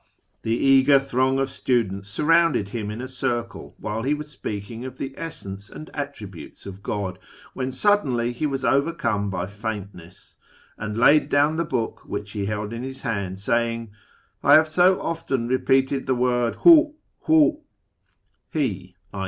The eager throng of students surrounded him in a circle, while he was speaking of the Essence and Attributes of God, when suddenly he was overcome by faint ness, and laid down the book which he held in his hand, saying, " I have so often repeated the word ' Hu', ' Ru '"(" He," i.